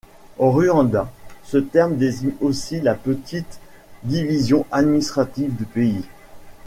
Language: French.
Au Rwanda, ce terme désigne aussi la plus petite division administrative du pays.